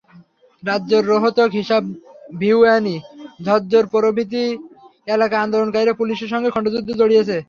রাজ্যের রোহতক, হিসার, ভিওয়ানি, ঝজ্জর প্রভৃতি এলাকায় আন্দোলনকারীরা পুলিশের সঙ্গে খণ্ডযুদ্ধে জড়িয়েছে।